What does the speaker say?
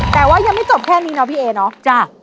แต่ว่ายังไม่จบแค่นี้เนาะพี่เอเนาะ